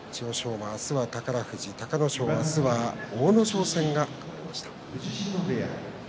馬、明日は宝富士隆の勝は明日は阿武咲戦が組まれました。